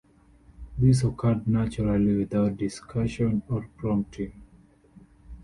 This occurred naturally, without discussion or prompting.